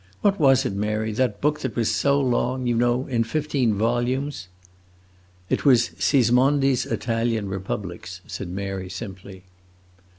What was it, Mary, that book that was so long, you know, in fifteen volumes?" "It was Sismondi's Italian Republics," said Mary, simply.